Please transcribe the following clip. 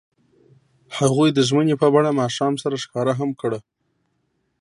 هغوی د ژمنې په بڼه ماښام سره ښکاره هم کړه.